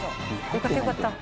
よかったよかった。